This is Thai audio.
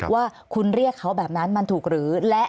ว่าคุณเรียกเขาแบบนั้นมันถูกหรือ